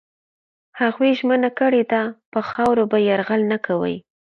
هغوی ژمنه کړې ده پر خاوره به یرغل نه کوي.